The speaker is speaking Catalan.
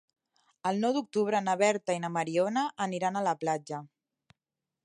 El nou d'octubre na Berta i na Mariona aniran a la platja.